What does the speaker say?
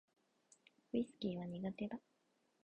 ウィスキーは苦手だ